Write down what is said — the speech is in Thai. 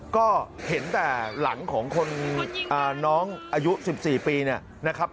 ก็เห็นแต่หลังของคนน้องอายุ๑๔ปีเนี่ยนะครับ